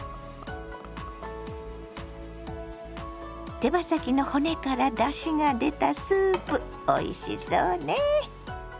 手羽先の骨からだしが出たスープおいしそうね。